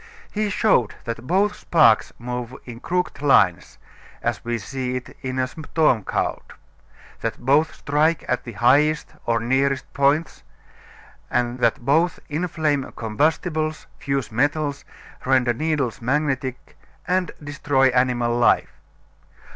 He showed that both sparks move in crooked lines as we see it in a storm cloud, that both strike the highest or nearest points, that both inflame combustibles, fuse metals, render needles magnetic and destroy animal life.